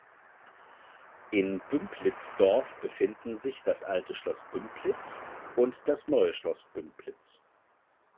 In Bümpliz Dorf befinden sich das Alte Schloss Bümpliz und das Neue Schloss Bümpliz.